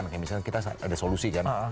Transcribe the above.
kayak misalnya kita ada solusi kan